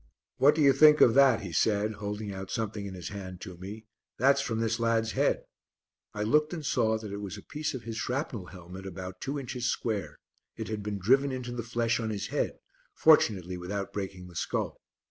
"What do you think of that?" he said, holding out something in his hand to me, "that's from this lad's head." I looked and saw that it was a piece of his shrapnel helmet about two inches square, it had been driven into the flesh on his head, fortunately without breaking the skull.